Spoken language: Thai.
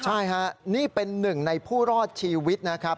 ใช่ฮะนี่เป็นหนึ่งในผู้รอดชีวิตนะครับ